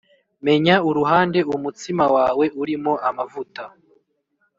menya uruhande umutsima wawe urimo amavuta